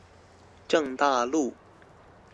正大路